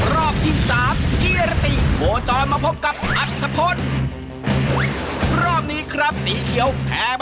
รอบที่๓เอียราติโหจรมาพบกับอัพฤษฐพล